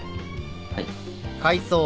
はい。